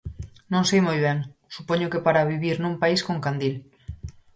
Non sei moi ben, supoño que para vivir nun país con candil.